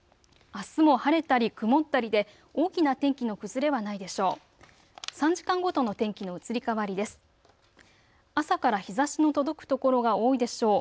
あすも晴れたり曇ったりで大きな天気の崩れはないでしょう。